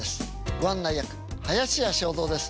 ご案内役林家正蔵です。